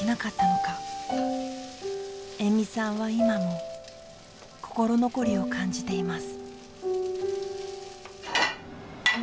延味さんは今も心残りを感じています。